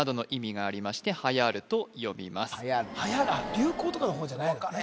流行とかの方じゃないんだね